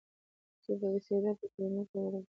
چې بېسده به کلينيکو ته وړل کېدل.